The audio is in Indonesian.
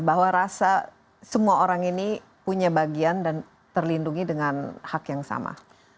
bahwa rasa semua orang ini punya bagian dan terlindungi dengan hak yang sama